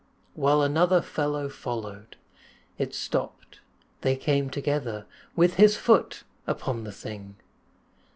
While another fellow followed, It stopped, they came together, With his foot upon the thing!